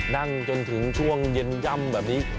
นั่งจนถึงช่วงเย็นย่ำแบบนี้